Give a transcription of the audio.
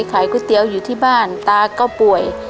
ก๋วยเตี๋ยวอยู่ที่บ้านตาก็ป่วย